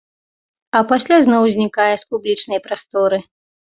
А пасля зноў знікае з публічнай прасторы.